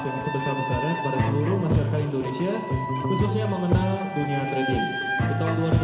yang sebesar besaran pada seluruh masyarakat indonesia khususnya memenang dunia trading